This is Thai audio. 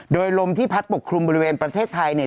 โดยลมที่พัดปกคลุมบริเวณประเทศไทยเนี่ย